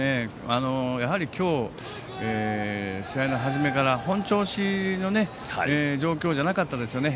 やはり今日試合の初めから本調子の状況じゃなかったですね。